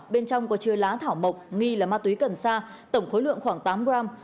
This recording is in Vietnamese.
bên trong có chứa lá thảo mộc nghi là ma túy cần sa tổng khối lượng khoảng tám gram